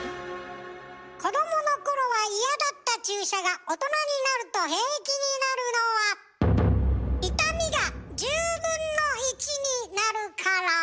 子どものころは嫌だった注射が大人になると平気になるのは痛みが１０分の１になるから。